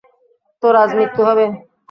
তোর আজ মৃত্যু হবে।